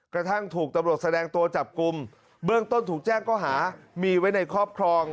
กระทั่งถูกตำรวจแสดงตัวจับกลุ่มเบื้องต้นถูกแจ้งก็หามีไว้ในครอบครอง